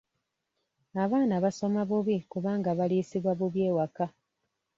Abaana basoma bubi kubanga baliisibwa bubi ewaka.